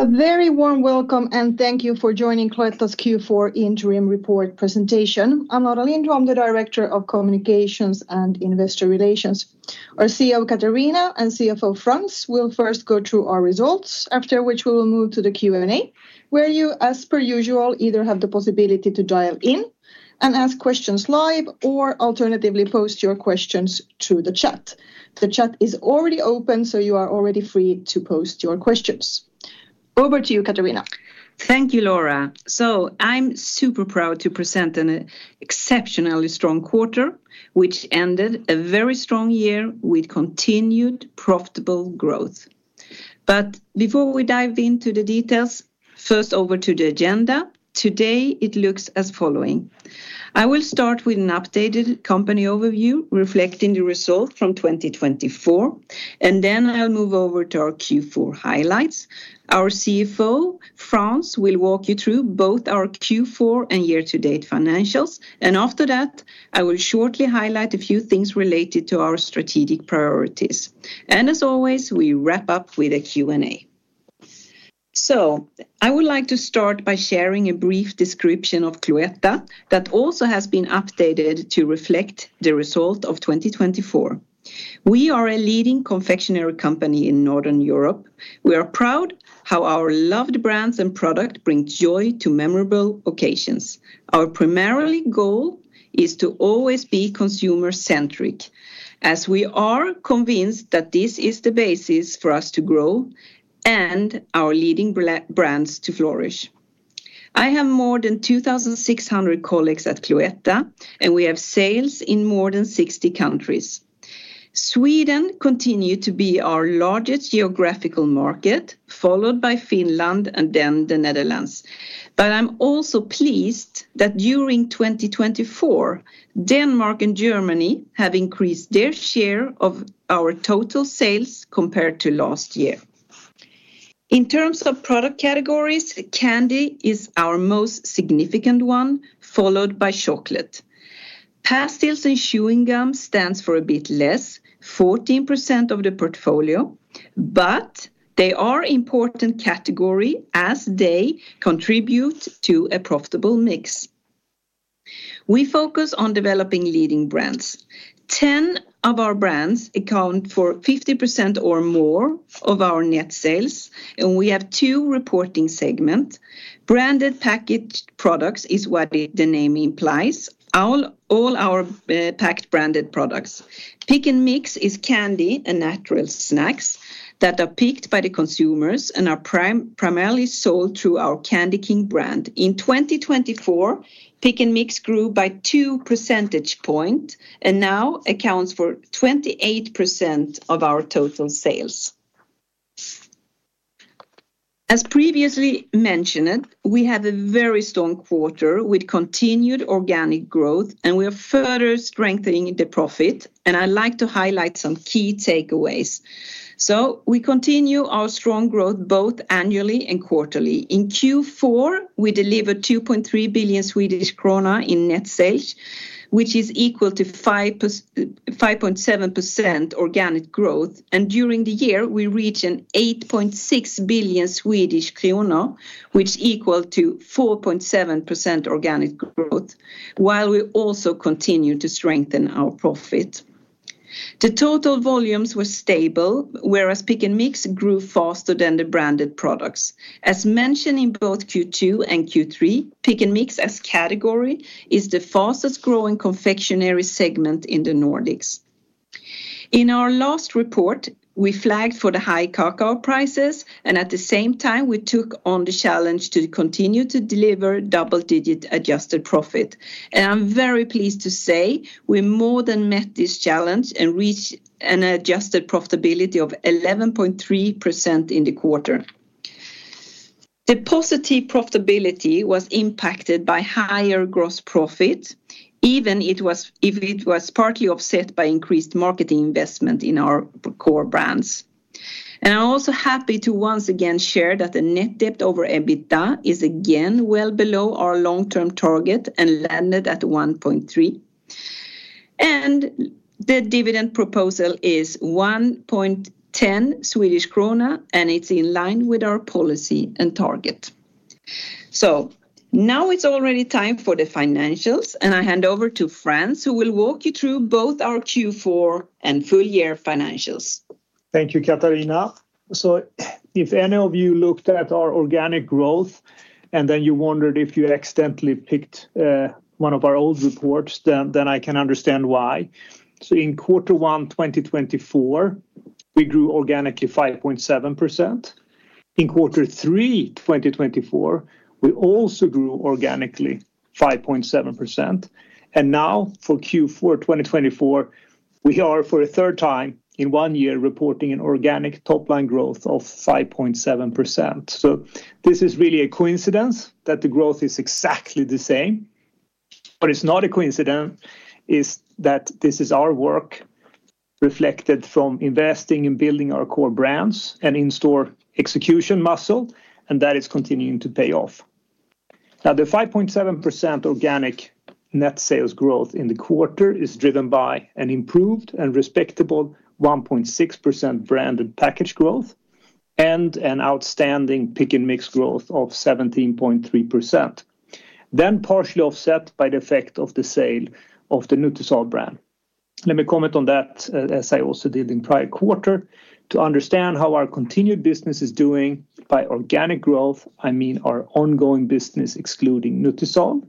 A very warm welcome, and thank you for joining Cloetta's Q4 Interim Report presentation. I'm Laura Lindholm, the Director of Communications and Investor Relations. Our CEO, Katarina, and CFO, Frans, will first go through our results, after which we will move to the Q&A, where you, as per usual, either have the possibility to dial in and ask questions live, or alternatively post your questions to the chat. The chat is already open, so you are already free to post your questions. Over to you, Katarina. Thank you, Laura. So I'm super proud to present an exceptionally strong quarter, which ended a very strong year with continued profitable growth. But before we dive into the details, first over to the agenda. Today, it looks as following. I will start with an updated company overview reflecting the results from 2024, and then I'll move over to our Q4 highlights. Our CFO, Frans, will walk you through both our Q4 and year-to-date financials. And after that, I will shortly highlight a few things related to our strategic priorities. And as always, we wrap up with a Q&A. So I would like to start by sharing a brief description of Cloetta that also has been updated to reflect the result of 2024. We are a leading confectionery company in Northern Europe. We are proud of how our loved brands and products bring joy to memorable occasions. Our primary goal is to always be consumer-centric, as we are convinced that this is the basis for us to grow and our leading brands to flourish. I have more than 2,600 colleagues at Cloetta, and we have sales in more than 60 countries. Sweden continues to be our largest geographical market, followed by Finland and then the Netherlands. But I'm also pleased that during 2024, Denmark and Germany have increased their share of our total sales compared to last year. In terms of product categories, candy is our most significant one, followed by chocolate. Pastilles and chewing gum stand for a bit less, 14% of the portfolio, but they are an important category as they contribute to a profitable mix. We focus on developing leading brands. Ten of our brands account for 50% or more of our net sales, and we have two reporting segments. Branded packaged products is what the name implies, all our packed branded products. Pick and mix is candy and natural snacks that are picked by the consumers and are primarily sold through our Candy King brand. In 2024, pick and mix grew by 2 percentage points and now accounts for 28% of our total sales. As previously mentioned, we have a very strong quarter with continued organic growth, and we are further strengthening the profit. And I'd like to highlight some key takeaways. So we continue our strong growth both annually and quarterly. In Q4, we delivered 2.3 billion Swedish krona in net sales, which is equal to 5.7% organic growth. And during the year, we reached 8.6 billion Swedish krona, which is equal to 4.7% organic growth, while we also continue to strengthen our profit. The total volumes were stable, whereas pick and mix grew faster than the branded products. As mentioned in both Q2 and Q3, pick and mix as category is the fastest growing confectionery segment in the Nordics. In our last report, we flagged for the high cacao prices, and at the same time, we took on the challenge to continue to deliver double-digit adjusted profit. And I'm very pleased to say we more than met this challenge and reached an adjusted profitability of 11.3% in the quarter. The positive profitability was impacted by higher gross profit, even if it was partly offset by increased marketing investment in our core brands. And I'm also happy to once again share that the net debt over EBITDA is again well below our long-term target and landed at 1.3. The dividend proposal is 1.10 Swedish krona, and it's in line with our policy and target. Now it's already time for the financials, and I hand over to Frans, who will walk you through both our Q4 and full-year financials. Thank you, Katarina. So if any of you looked at our organic growth and then you wondered if you accidentally picked one of our old reports, then I can understand why. So in Q1 2024, we grew organically 5.7%. In Q3 2024, we also grew organically 5.7%. And now for Q4 2024, we are for a third time in one year reporting an organic top-line growth of 5.7%. So this is really a coincidence that the growth is exactly the same. What is not a coincidence is that this is our work reflected from investing in building our core brands and in-store execution muscle, and that is continuing to pay off. Now, the 5.7% organic net sales growth in the quarter is driven by an improved and respectable 1.6% branded packaged growth and an outstanding pick and mix growth of 17.3%, then partially offset by the effect of the sale of the Nutisal brand. Let me comment on that, as I also did in prior quarter. To understand how our continued business is doing by organic growth, I mean our ongoing business excluding Nutisal.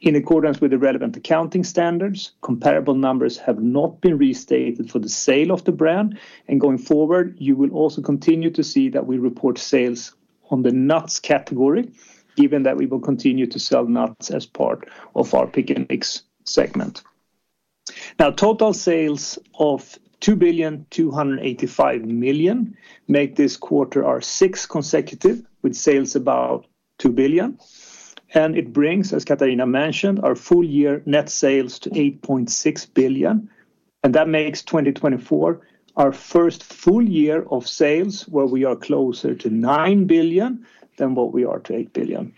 In accordance with the relevant accounting standards, comparable numbers have not been restated for the sale of the brand. And going forward, you will also continue to see that we report sales on the nuts category, given that we will continue to sell nuts as part of our pick and mix segment. Now, total sales of 2,285 million make this quarter our sixth consecutive with sales about 2 billion. It brings, as Katarina mentioned, our full-year net sales to 8.6 billion. That makes 2024 our first full year of sales where we are closer to 9 billion than what we are to 8 billion.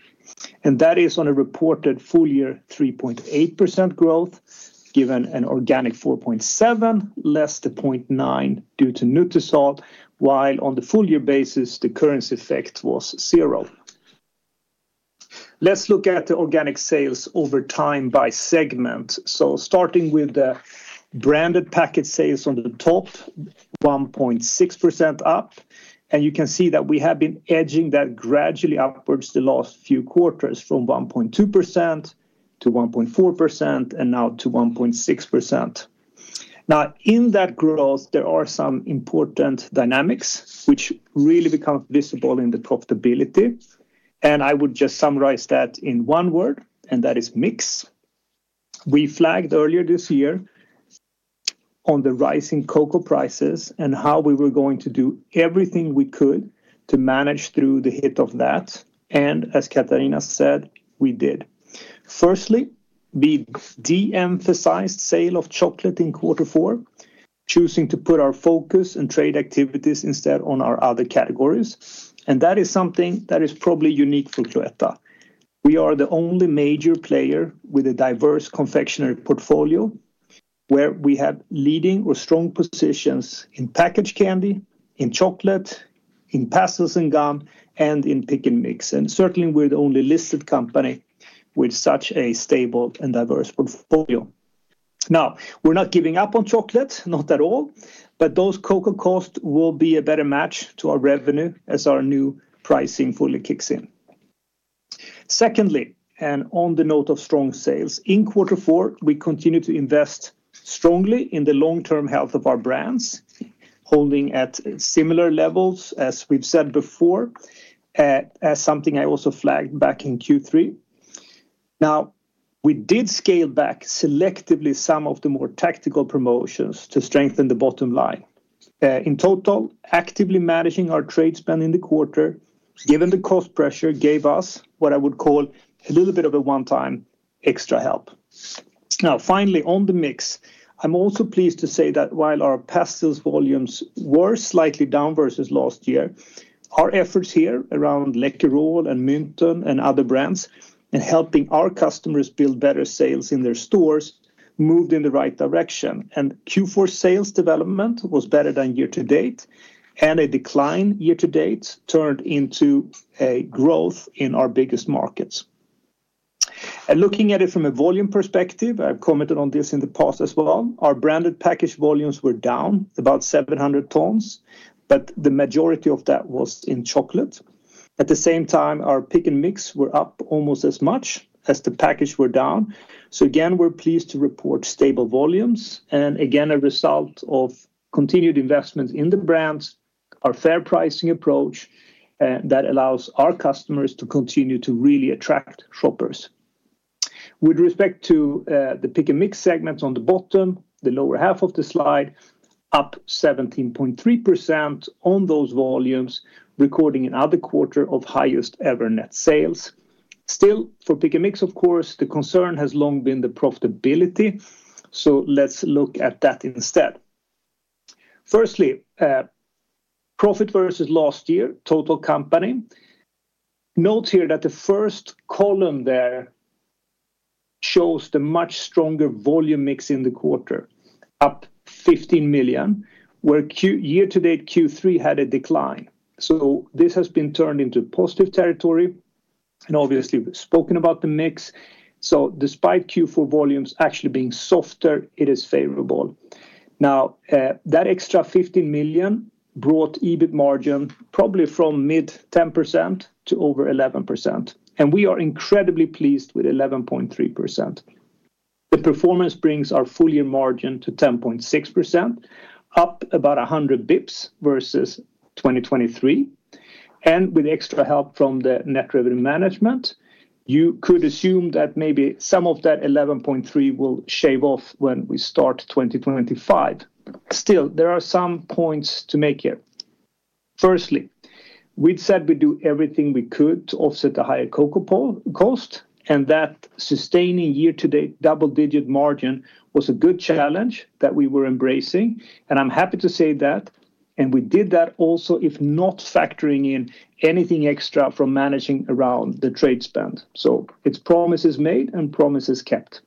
That is on a reported full-year 3.8% growth, given an organic 4.7%, less 0.9% due to Nutisal, while on the full-year basis, the currency effect was zero. Let's look at the organic sales over time by segment. Starting with the branded packaged sales on the top, 1.6% up. You can see that we have been edging that gradually upwards the last few quarters from 1.2% to 1.4% and now to 1.6%. Now, in that growth, there are some important dynamics, which really become visible in the profitability. I would just summarize that in one word, and that is mix. We flagged earlier this year on the rising cocoa prices and how we were going to do everything we could to manage through the hit of that. And as Katarina said, we did. Firstly, we de-emphasized sale of chocolate in Q4, choosing to put our focus and trade activities instead on our other categories. And that is something that is probably unique for Cloetta. We are the only major player with a diverse confectionery portfolio where we have leading or strong positions in packaged candy, in chocolate, in pastilles and gum, and in pick and mix. And certainly, we're the only listed company with such a stable and diverse portfolio. Now, we're not giving up on chocolate, not at all, but those cocoa costs will be a better match to our revenue as our new pricing fully kicks in. Secondly, and on the note of strong sales, in Q4, we continue to invest strongly in the long-term health of our brands, holding at similar levels, as we've said before, as something I also flagged back in Q3. Now, we did scale back selectively some of the more tactical promotions to strengthen the bottom line. In total, actively managing our trade spend in the quarter, given the cost pressure, gave us what I would call a little bit of a one-time extra help. Now, finally, on the mix, I'm also pleased to say that while our pastilles volumes were slightly down versus last year, our efforts here around Läkerol and Mynthon and other brands in helping our customers build better sales in their stores moved in the right direction, and Q4 sales development was better than year-to-date, and a decline year-to-date turned into a growth in our biggest markets. And looking at it from a volume perspective, I've commented on this in the past as well. Our branded packaged volumes were down about 700 tons, but the majority of that was in chocolate. At the same time, our pick and mix were up almost as much as the packages were down. So again, we're pleased to report stable volumes. And again, a result of continued investments in the brands, our fair pricing approach that allows our customers to continue to really attract shoppers. With respect to the pick and mix segments on the bottom, the lower half of the slide, up 17.3% on those volumes, recording another quarter of highest-ever net sales. Still, for pick and mix, of course, the concern has long been the profitability. So let's look at that instead. Firstly, profit versus last year, total company. Note here that the first column there shows the much stronger volume mix in the quarter, up 15 million, where year-to-date Q3 had a decline. This has been turned into positive territory. Obviously, we've spoken about the mix. Despite Q4 volumes actually being softer, it is favorable. Now, that extra 15 million brought EBIT margin probably from mid-10% to over 11%. We are incredibly pleased with 11.3%. The performance brings our full-year margin to 10.6%, up about 100 basis points versus 2023. With extra help from the net revenue management, you could assume that maybe some of that 11.3% will shave off when we start 2025. Still, there are some points to make here. Firstly, we'd said we'd do everything we could to offset the higher cocoa cost, and that sustaining year-to-date double-digit margin was a good challenge that we were embracing. I'm happy to say that. We did that also if not factoring in anything extra from managing around the trade spend. It's promises made and promises kept.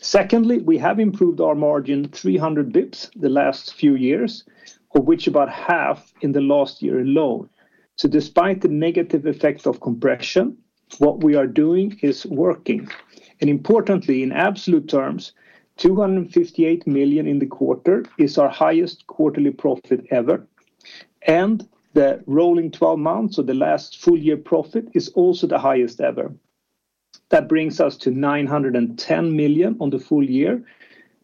Secondly, we have improved our margin 300 basis points the last few years, of which about half in the last year alone. Despite the negative effect of compression, what we are doing is working. Importantly, in absolute terms, 258 million in the quarter is our highest quarterly profit ever. The rolling 12 months, so the last full-year profit, is also the highest ever. That brings us to 910 million on the full year.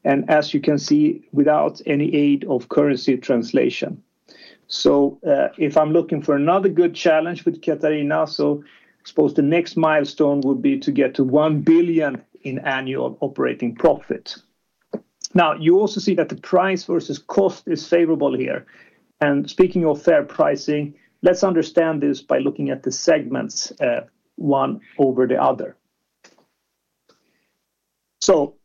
As you can see, without any aid of currency translation. If I'm looking for another good challenge with Katarina, I suppose the next milestone would be to get to 1 billion in annual operating profit. Now, you also see that the price versus cost is favorable here. And speaking of fair pricing, let's understand this by looking at the segments, one over the other. So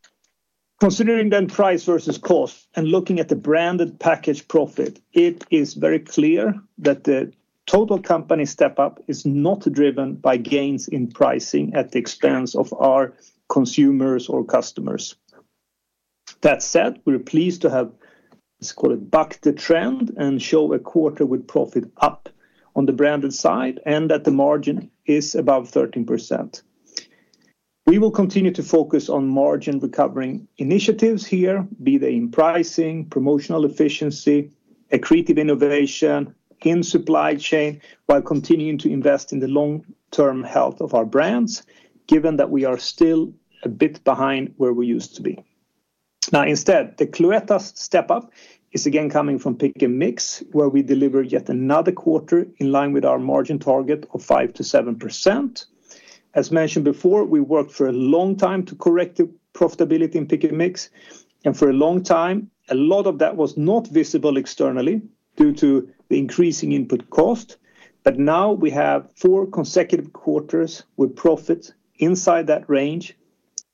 considering then price versus cost and looking at the branded package profit, it is very clear that the total company step-up is not driven by gains in pricing at the expense of our consumers or customers. That said, we're pleased to have, let's call it, back the trend and show a quarter with profit up on the branded side and that the margin is above 13%. We will continue to focus on margin recovery initiatives here, be they in pricing, promotional efficiency, accretive innovation, in supply chain, while continuing to invest in the long-term health of our brands, given that we are still a bit behind where we used to be. Now, instead, the Cloetta step-up is again coming from pick and mix, where we delivered yet another quarter in line with our margin target of 5%-7%. As mentioned before, we worked for a long time to correct the profitability in pick and mix, and for a long time, a lot of that was not visible externally due to the increasing input cost. But now we have four consecutive quarters with profits inside that range,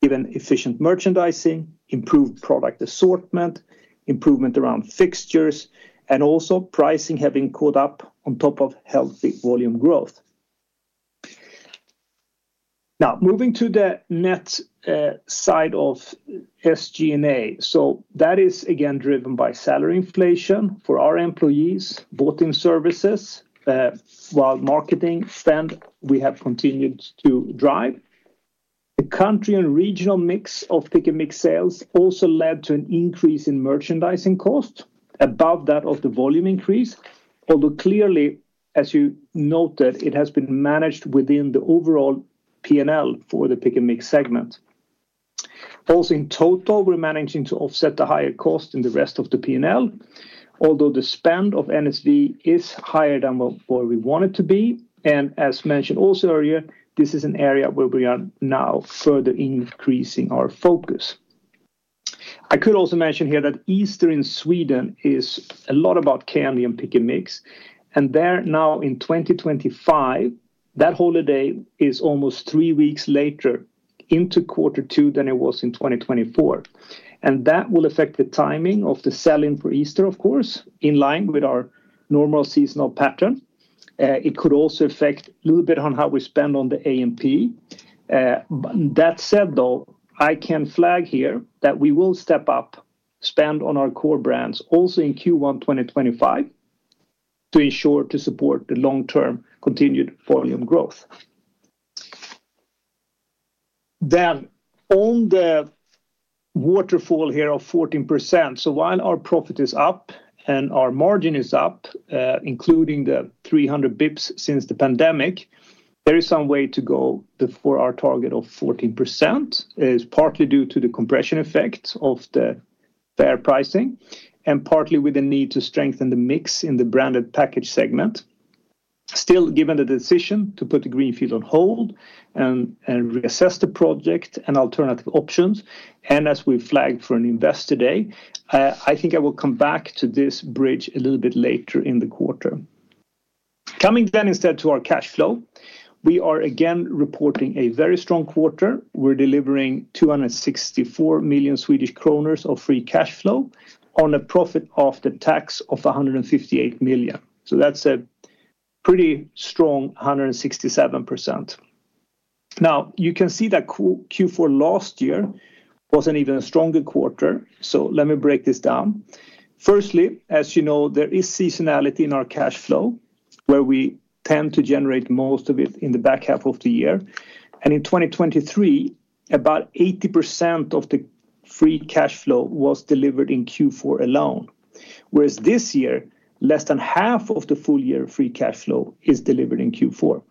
given efficient merchandising, improved product assortment, improvement around fixtures, and also pricing having caught up on top of healthy volume growth. Now, moving to the net side of SG&A, so that is again driven by salary inflation for our employees both in services. While marketing spend, we have continued to drive. The country and regional mix of pick and mix sales also led to an increase in merchandising cost above that of the volume increase, although clearly, as you noted, it has been managed within the overall P&L for the pick and mix segment. Also, in total, we're managing to offset the higher cost in the rest of the P&L, although the spend of NSV is higher than what we want it to be. And as mentioned also earlier, this is an area where we are now further increasing our focus. I could also mention here that Easter in Sweden is a lot about candy and pick and mix. And there now in 2025, that holiday is almost three weeks later into Q2 than it was in 2024. And that will affect the timing of the selling for Easter, of course, in line with our normal seasonal pattern. It could also affect a little bit on how we spend on the A&P. That said, though, I can flag here that we will step up spend on our core brands also in Q1 2025 to ensure to support the long-term continued volume growth. Then on the waterfall here of 14%, so while our profit is up and our margin is up, including the 300 basis points since the pandemic, there is some way to go before our target of 14%. It's partly due to the compression effect of the fair pricing and partly with the need to strengthen the mix in the branded package segment. Still, given the decision to put the greenfield on hold and reassess the project and alternative options, and as we flagged for an investor day, I think I will come back to this bridge a little bit later in the quarter. Coming then instead to our cash flow, we are again reporting a very strong quarter. We're delivering 264 million Swedish kronor of free cash flow on a profit after tax of 158 million. So that's a pretty strong 167%. Now, you can see that Q4 last year was an even stronger quarter. So let me break this down. Firstly, as you know, there is seasonality in our cash flow where we tend to generate most of it in the back half of the year. And in 2023, about 80% of the free cash flow was delivered in Q4 alone, whereas this year, less than half of the full-year free cash flow is delivered in Q4.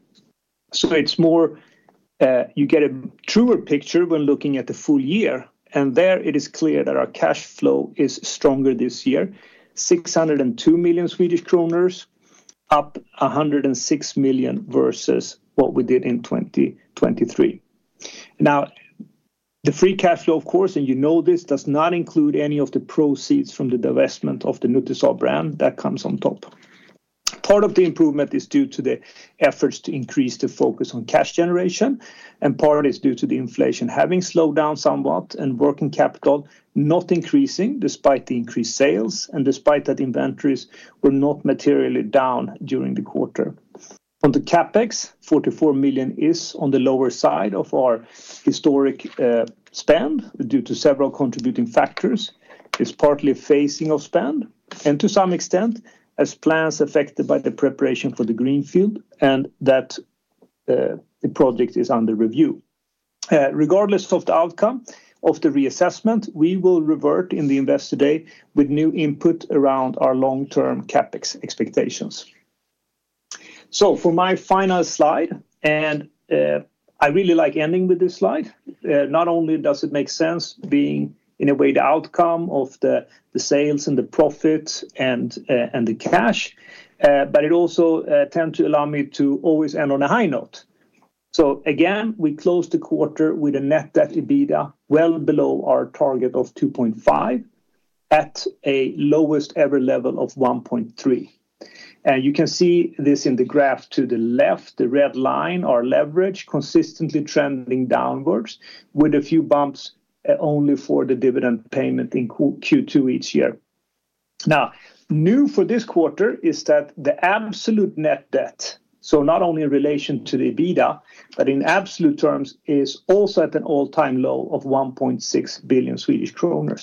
So it's more you get a truer picture when looking at the full year. There it is clear that our cash flow is stronger this year, 602 million Swedish kronor, up 106 million versus what we did in 2023. Now, the free cash flow, of course, and you know this, does not include any of the proceeds from the divestment of the Nutisal brand that comes on top. Part of the improvement is due to the efforts to increase the focus on cash generation, and part is due to the inflation having slowed down somewhat and working capital not increasing despite the increased sales and despite that inventories were not materially down during the quarter. On the CapEx, 44 million is on the lower side of our historic spend due to several contributing factors. It's partly phasing of spend and to some extent as plans affected by the preparation for the greenfield and that the project is under review. Regardless of the outcome of the reassessment, we will revert in the investor day with new input around our long-term CapEx expectations, so for my final slide, and I really like ending with this slide, not only does it make sense being in a way the outcome of the sales and the profits and the cash, but it also tends to allow me to always end on a high note, so again, we closed the quarter with a net debt EBITDA well below our target of 2.5 at a lowest ever level of 1.3, and you can see this in the graph to the left, the red line, our leverage consistently trending downwards with a few bumps only for the dividend payment in Q2 each year. Now, new for this quarter is that the absolute net debt, so not only in relation to the EBITDA, but in absolute terms, is also at an all-time low of 1.6 billion Swedish kronor.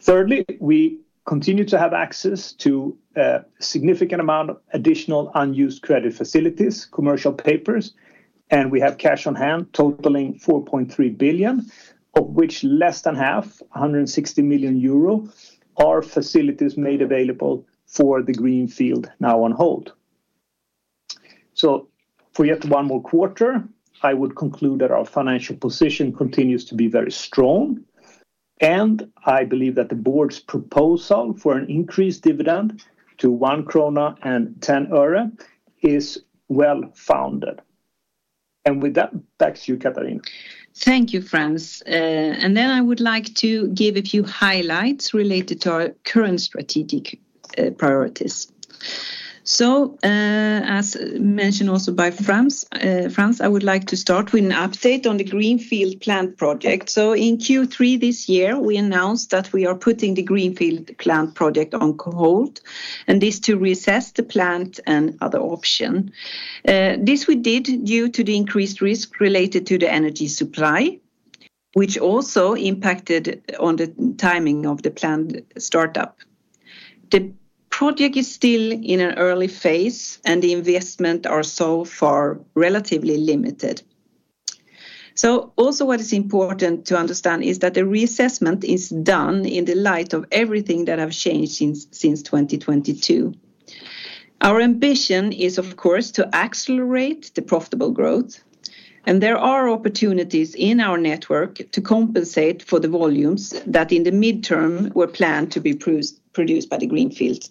Thirdly, we continue to have access to a significant amount of additional unused credit facilities, commercial papers, and we have cash on hand totaling 4.3 billion, of which less than half, 160 million euro, are facilities made available for the greenfield now on hold. So for yet one more quarter, I would conclude that our financial position continues to be very strong, and I believe that the board's proposal for an increased dividend to SEK 1.10 is well-founded, and with that, back to you, Katarina. Thank you, Frans, and then I would like to give a few highlights related to our current strategic priorities. So as mentioned also by Frans, I would like to start with an update on the greenfield plant project. So in Q3 this year, we announced that we are putting the greenfield plant project on hold, and this to reassess the plant and other options. This we did due to the increased risk related to the energy supply, which also impacted on the timing of the plant startup. The project is still in an early phase and the investments are so far relatively limited. So also what is important to understand is that the reassessment is done in the light of everything that has changed since 2022. Our ambition is, of course, to accelerate the profitable growth. And there are opportunities in our network to compensate for the volumes that in the midterm were planned to be produced by the greenfield.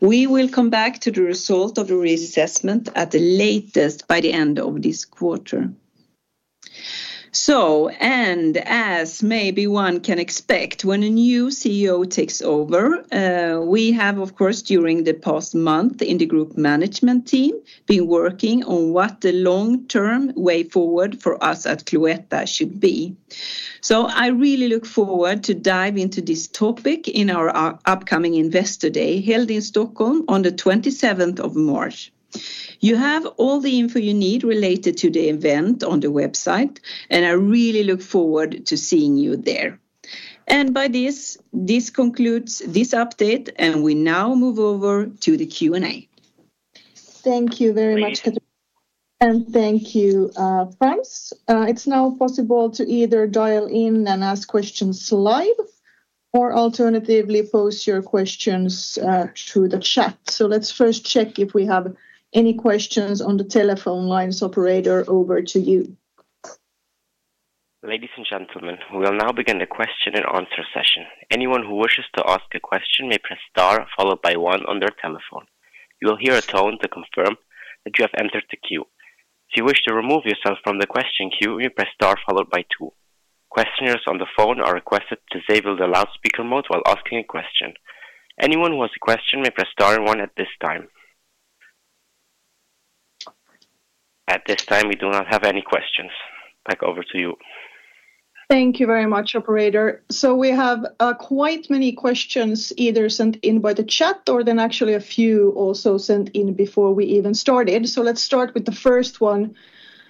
We will come back to the result of the reassessment at the latest by the end of this quarter. So, and as maybe one can expect when a new CEO takes over, we have, of course, during the past month in the group management team, been working on what the long-term way forward for us at Cloetta should be. So I really look forward to diving into this topic in our upcoming investor day held in Stockholm on the 27th of March. You have all the info you need related to the event on the website, and I really look forward to seeing you there. And by this, this concludes this update, and we now move over to the Q&A. Thank you very much, Katarina. And thank you, Frans. It's now possible to either dial in and ask questions live or alternatively post your questions through the chat. So let's first check if we have any questions on the telephone lines. Operator, over to you. Ladies and gentlemen, we will now begin the question and answer session. Anyone who wishes to ask a question may press star followed by one on their telephone. You will hear a tone to confirm that you have entered the queue. If you wish to remove yourself from the question queue, you press star followed by two. Questioners on the phone are requested to disable the loudspeaker mode while asking a question. Anyone who has a question may press star and one at this time. At this time, we do not have any questions. Back over to you. Thank you very much, operator. So we have quite many questions either sent in by the chat or then actually a few also sent in before we even started. So let's start with the first one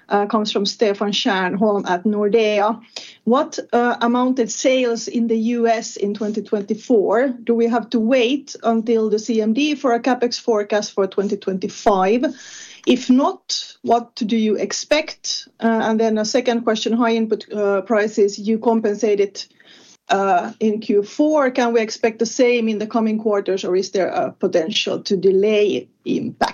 that comes from Stefan Stjernholm at Nordea. What amounted sales in the US in 2024? Do we have to wait until the CMD for a CapEx forecast for 2025? If not, what do you expect? And then a second question, high input prices, you compensated in Q4. Can we expect the same in the coming quarters, or is there a potential to delay impact?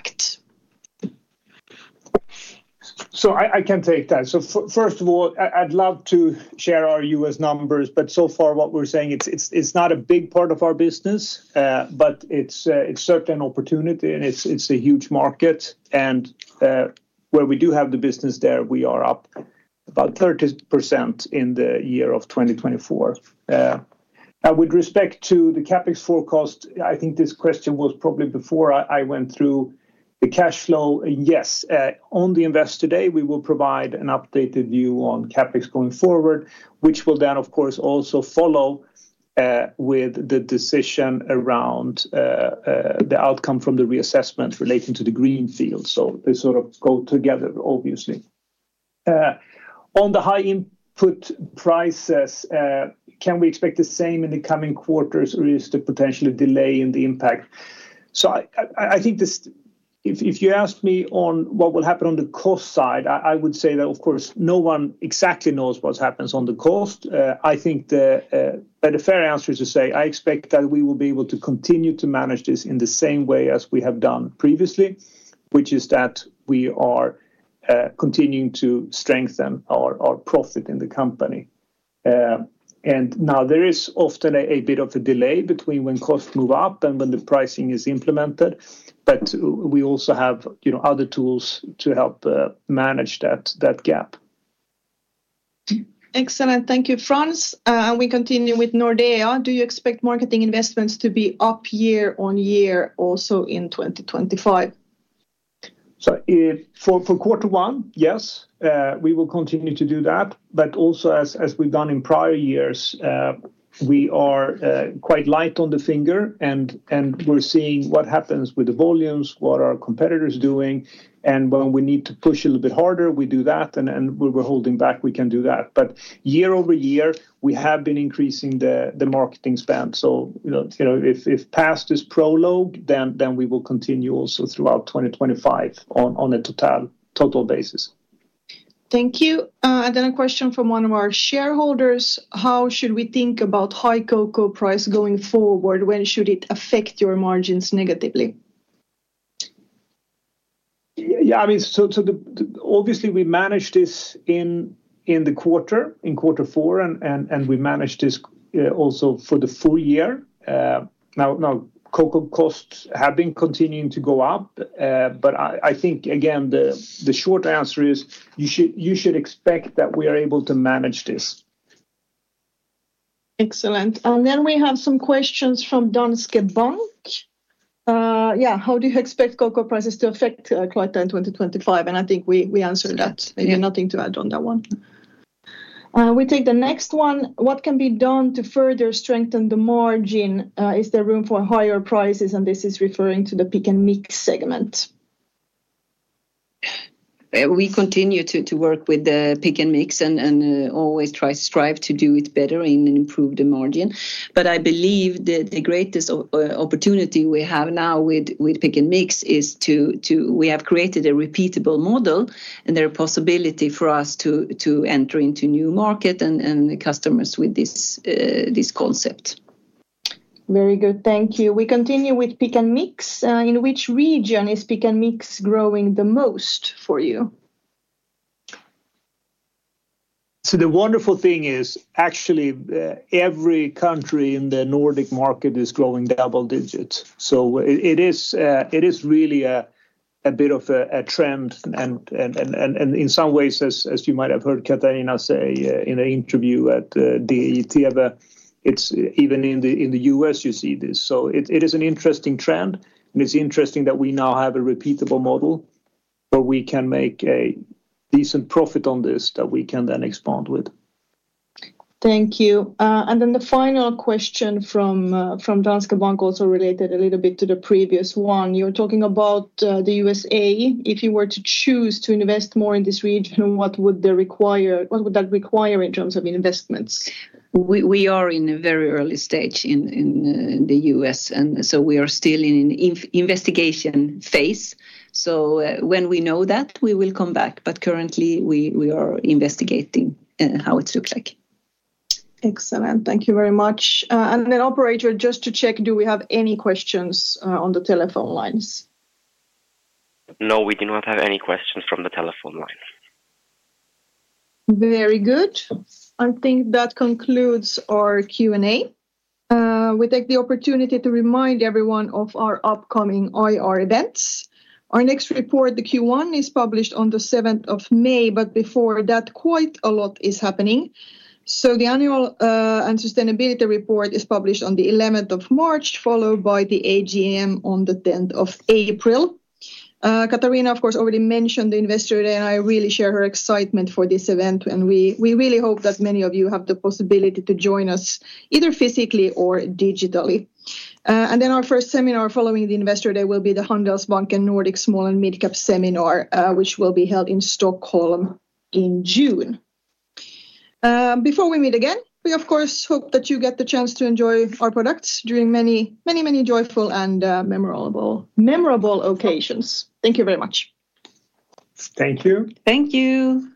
So I can take that. So first of all, I'd love to share our U.S. numbers, but so far what we're saying, it's not a big part of our business, but it's certain opportunity and it's a huge market. And where we do have the business there, we are up about 30% in the year of 2024. With respect to the CapEx forecast, I think this question was probably before I went through the cash flow. Yes, on the investor day, we will provide an updated view on CapEx going forward, which will then, of course, also follow with the decision around the outcome from the reassessment relating to the greenfield. So they sort of go together, obviously. On the high input prices, can we expect the same in the coming quarters, or is there potentially a delay in the impact? So I think if you ask me on what will happen on the cost side, I would say that, of course, no one exactly knows what happens on the cost. I think the fair answer is to say I expect that we will be able to continue to manage this in the same way as we have done previously, which is that we are continuing to strengthen our profit in the company. Now there is often a bit of a delay between when costs move up and when the pricing is implemented, but we also have other tools to help manage that gap. Excellent. Thank you, Frans. We continue with Nordea. Do you expect marketing investments to be up year on year also in 2025? For quarter one, yes, we will continue to do that, but also as we've done in prior years, we are quite light on the finger and we're seeing what happens with the volumes, what are our competitors doing, and when we need to push a little bit harder, we do that, and when we're holding back, we can do that. Year over year, we have been increasing the marketing spend. If past is prologue, then we will continue also throughout 2025 on a total basis. Thank you. And then a question from one of our shareholders. How should we think about high Cocoa price going forward? When should it affect your margins negatively? Yeah, I mean, so obviously we managed this in the quarter, in quarter four, and we managed this also for the full year. Now, Cocoa costs have been continuing to go up, but I think, again, the short answer is you should expect that we are able to manage this. Excellent. And then we have some questions from Danske Bank. Yeah, how do you expect Cocoa prices to affect quarter 2025? And I think we answered that. Maybe nothing to add on that one. We take the next one. What can be done to further strengthen the margin? Is there room for higher prices? And this is referring to the pick and mix segment. We continue to work with the pick and mix and always try to strive to do it better and improve the margin. But I believe the greatest opportunity we have now with pick and mix is to we have created a repeatable model and there is a possibility for us to enter into new markets and customers with this concept. Very good. Thank you. We continue with pick and mix. In which region is pick and mix growing the most for you? So the wonderful thing is actually every country in the Nordic market is growing double digits. So it is really a bit of a trend. And in some ways, as you might have heard Katarina say in the interview at Di TV, it's even in the U.S. you see this. So it is an interesting trend. And it's interesting that we now have a repeatable model where we can make a decent profit on this that we can then expand with. Thank you. And then the final question from Danske Bank also related a little bit to the previous one. You were talking about the USA. If you were to choose to invest more in this region, what would that require in terms of investments? We are in a very early stage in the U.S., and so we are still in an investigation phase. So when we know that, we will come back. But currently, we are investigating how it looks like. Excellent. Thank you very much. And then operator, just to check, do we have any questions on the telephone lines? No, we do not have any questions from the telephone line. Very good. I think that concludes our Q&A. We take the opportunity to remind everyone of our upcoming IR events. Our next report, the Q1, is published on the 7th of May, but before that, quite a lot is happening, so the annual and sustainability report is published on the 11th of March, followed by the AGM on the 10th of April. Katarina, of course, already mentioned the investor day, and I really share her excitement for this event, and we really hope that many of you have the possibility to join us either physically or digitally, and then our first seminar following the investor day will be the Handelsbanken Nordic Small and Midcap Seminar, which will be held in Stockholm in June. Before we meet again, we, of course, hope that you get the chance to enjoy our products during many, many, many joyful and memorable occasions. Thank you very much. Thank you. Thank you.